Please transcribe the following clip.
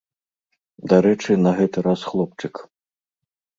Дарэчы, на гэты раз хлопчык.